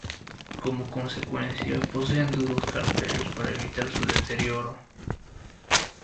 Como consecuencia, poseen duros carpelos para evitar su deterioro.